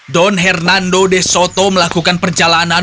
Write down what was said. don hernando de soto melakukan perjalanan